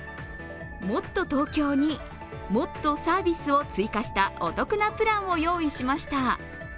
もっとＴｏｋｙｏに、もっとサービスを追加したお得なプランを用意しました。